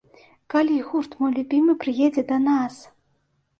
Калі гурт мой любімы прыедзе да нас!!!